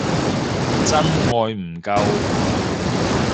真愛唔夠